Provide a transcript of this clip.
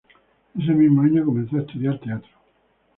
Ese mismo año comenzó a estudiar teatro.